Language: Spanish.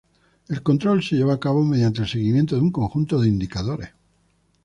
El control se lleva a cabo mediante el seguimiento de un conjunto de indicadores.